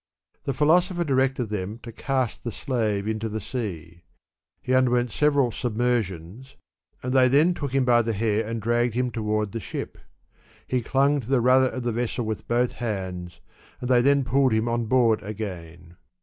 The philosopher directed them to cast the slave into the sea. He underwent several submersions, and they then took him by the hair and dragged him toward the ship. He clung to the rudder of the vessel with both hands, and they then pulled him on board again.